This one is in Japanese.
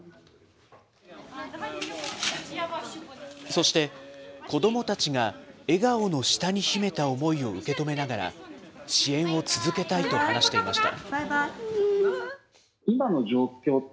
そして子どもたちが笑顔の下に秘めた思いを受け止めながら、支援を続けたいと話していました。